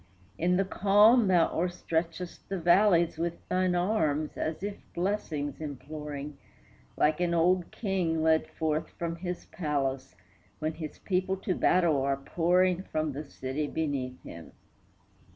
In the calm thou o'erstretchest the valleys With thine arms, as if blessings imploring, Like an old king led forth from his palace, When his people to battle are pouring From the city beneath him.